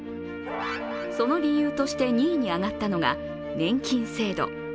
その理由として、２位に上がったのが年金制度。